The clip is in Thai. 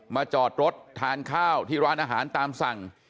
จอดรถทานข้าวที่ร้านอาหารตามสั่ง